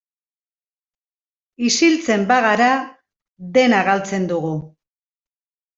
Isiltzen bagara dena galtzen dugu.